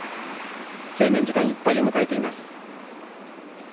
制限時間いっぱいを迎えています。